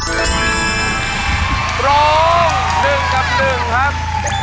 ร้อง๑กับ๑ครับ